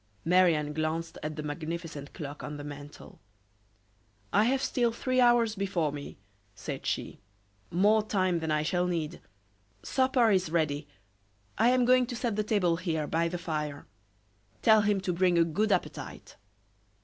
Marie Anne glanced at the magnificent clock on the mantel. "I have still three hours before me," said she; "more time than I shall need. Supper is ready; I am going to set the table here, by the fire. Tell him to bring a good appetite."